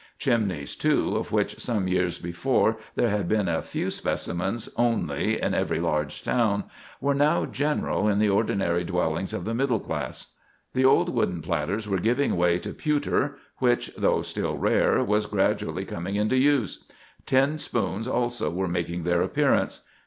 Chimneys, too, of which some years before there had been a few specimens only in every large town, were now general in the ordinary dwellings of the middle classes. The old wooden platters were giving way to pewter, which, though still rare, was gradually coming into use. Tin spoons also were making their appearance.